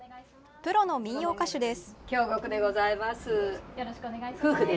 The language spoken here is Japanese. プロの民謡歌手です。